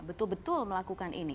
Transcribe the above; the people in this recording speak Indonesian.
untuk betul melakukan ini